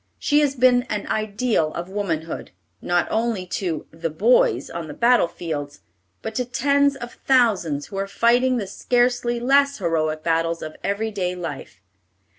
She has been an ideal of womanhood, not only to "the boys" on the battle fields, but to tens of thousands who are fighting the scarcely less heroic battles of every day life.